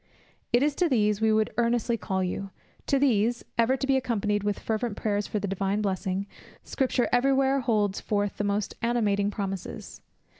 It is to these we would earnestly call you; to these (ever to be accompanied with fervent prayers for the divine blessing) Scripture every where holds forth the most animating promises.